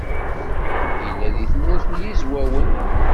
Yella deg Tmurt n Yizwawen.